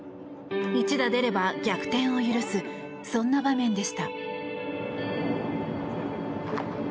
一打出れば逆転を許すそんな場面でした。